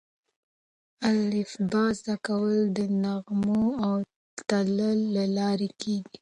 الفبې زده کول د نغمو او تال له لارې کېږي.